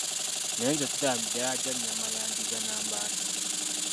Naye nze siraba middaala gya nnyama ya ndiga na mbaata.